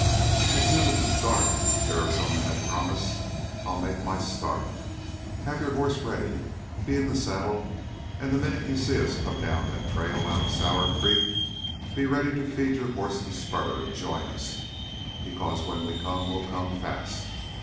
"As soon as it's dark," Arizona had promised, "I'll make my start. Have your hoss ready. Be in the saddle, and the minute you see us come down that trail out of Sour Creek, be ready to feed your hoss the spur and join us, because when we come, we'll come fast.